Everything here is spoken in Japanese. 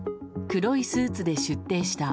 黒いスーツで出廷した